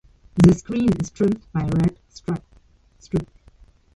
The screen is trimmed by red strip.